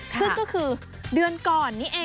ซึ่งก็คือเดือนก่อนนี่เอง